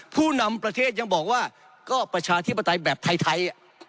ผู้นำประเทศยังบอกว่าก็ประชาธิปไตยแบบไทย